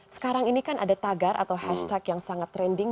sekarang ini kan ada tagar atau hashtag yang sangat trending